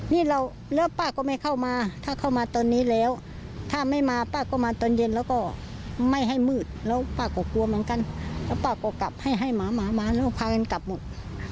นี่เราแล้วป้าก็ไม่เข้ามาถ้าเข้ามาตอนนี้แล้วถ้าไม่มาป้าก็มาตอนเย็นแล้วก็ไม่ให้มืดแล้วป้าก็กลัวเหมือนกันแล้วป้าก็กลับให้ให้หมาหมามาแล้วพากันกลับหมด